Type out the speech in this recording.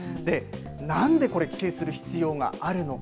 何でこれ規制する必要があるのか。